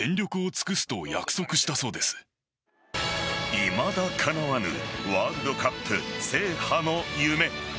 いまだかなわぬワールドカップ制覇の夢。